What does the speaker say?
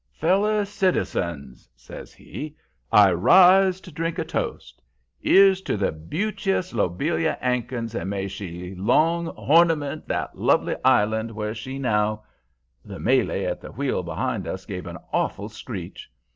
"'Feller citizens,' says he, 'I rise to drink a toast. 'Ere's to the beautchous Lobelia 'Ankins, and may she long hornament the lovely island where she now ' "The Malay at the wheel behind us gave an awful screech.